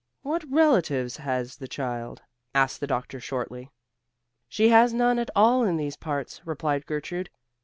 "What relatives has the child?" asked the doctor shortly. "She has none at all in these parts," replied Gertrude.